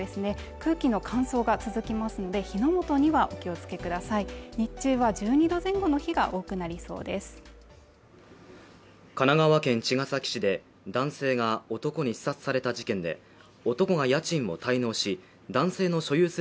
空気の乾燥が続きますので火の元にはお気をつけください日中は１２度前後の日が多くなりそうです